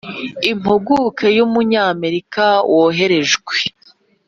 impuguke y'umunyamerika woherejwe